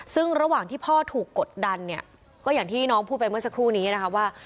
ซึ่งระหว่างที่พ่อถูกกดดันเนี่ยก็อย่างที่น้องพูดไปเมื่อสักครู่นี้นะคะว่า